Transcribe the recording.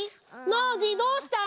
ノージーどうしたの？